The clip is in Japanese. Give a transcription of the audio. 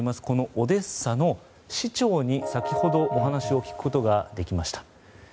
このオデッサの市長に先ほど話を聞くことができました。